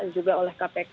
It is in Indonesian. juga oleh kpk